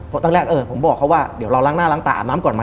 เพราะตั้งแต่แรกผมบอกเขาว่าเดี๋ยวเราล้างหน้าล้างตาอาบน้ำก่อนมา